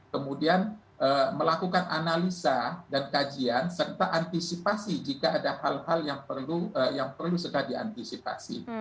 kemudian melakukan analisa dan kajian serta antisipasi jika ada hal hal yang perlu segera diantisipasi